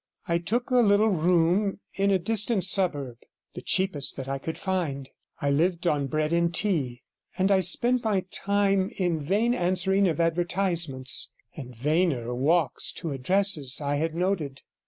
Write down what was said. I took a little room in a distant suburb, the cheapest that I could find; I lived on bread and tea, and I spent my time in vain answering of advertisements, and vainer walks to addresses I had noted.